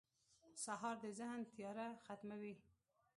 سهار د ذهن تیاره ختموي.